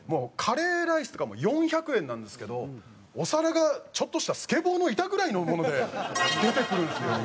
カレーライスとかも４００円なんですけどお皿がちょっとしたスケボーの板ぐらいのもので出てくるんですよ。